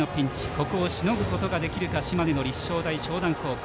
ここをしのぐことができるか島根の立正大淞南高校。